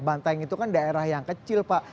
banteng itu kan daerah yang kecil pak